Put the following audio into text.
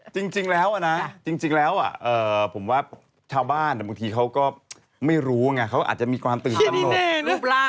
จริงแล้วนะจริงแล้วผมว่าชาวบ้านบางทีเขาก็ไม่รู้ไงเขาอาจจะมีความตื่นตนกรูปร่าง